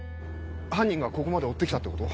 犯人がここまで追ってきたってこと？